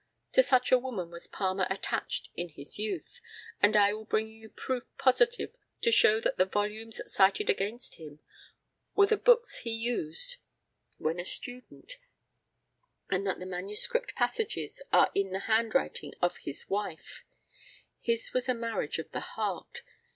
To such a woman was Palmer attached in his youth, and I will bring you proof positive to show that the volumes cited against him were the books he used when a student, and that the manuscript passages are in the handwriting of his wife. His was a marriage of the heart.